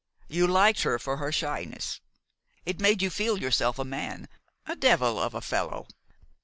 You liked her for her shyness. It made you feel yourself a man a devil of a fellow.